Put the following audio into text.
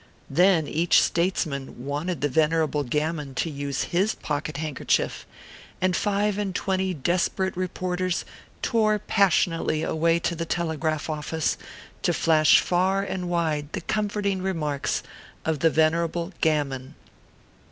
Then each statesman wanted the Venerable Gam mon to use his pocket handkerchief ; and five and twenty desperate reporters tore passionately away to the telegraph office to flash far and wide the comfort ing remarks of the Venerable Gammon.